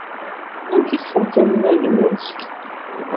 Amek i tḥulfam iman-nwen zgelli?